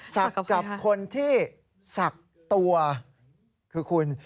สักกับคนที่สักตัวคือคุณ